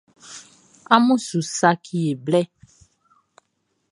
Amun su saci e blɛ.